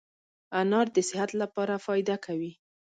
انار دي صحت لپاره فایده کوي